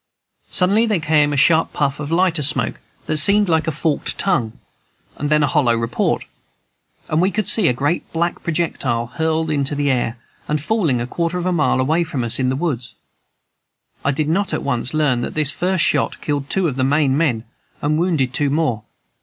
Suddenly there came a sharp puff of lighter smoke that seemed like a forked tongue, and then a hollow report, and we could see a great black projectile hurled into the air, and falling a quarter of a mile away from us, in the woods. I did not at once learn that this first shot killed two of the Maine men, and wounded two more.